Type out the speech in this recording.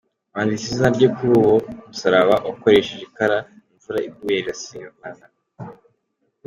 Banditse izina rye kuri uwo musaraba bakoresheje ikara, imvura iguye rirasibama.